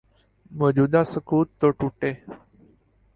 موجودہ سکوت تو ٹوٹے۔